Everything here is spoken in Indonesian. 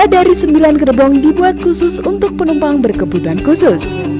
tiga dari sembilan gerbong dibuat khusus untuk penumpang berkebutuhan khusus